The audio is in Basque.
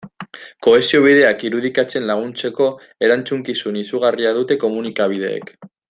Kohesio bideak irudikatzen laguntzeko erantzukizun izugarria dute komunikabideek.